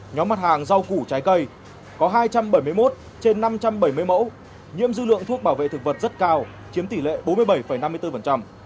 nhóm mặt hàng rau củ trái cây có hai trăm bảy mươi một trên năm trăm bảy mươi mẫu nhiễm dư lượng thuốc bảo vệ thực vật rất cao chiếm tỷ lệ bốn mươi bảy năm mươi bốn